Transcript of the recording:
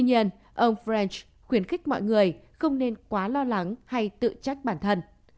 tuy nhiên ông frant khuyến khích mọi người không nên quá lo lắng hay tự trách bản thân